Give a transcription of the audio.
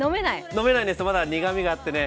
飲めないんです、まだ、苦みがあってね。